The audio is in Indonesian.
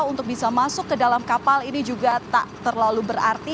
untuk bisa masuk ke dalam kapal ini juga tak terlalu berarti